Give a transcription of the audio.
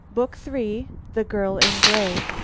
BOOK III. THE GIRL IN GRAY.